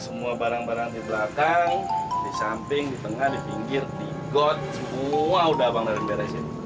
semua barang barang di belakang di samping di tengah di pinggir di got semua udah bang dari beresin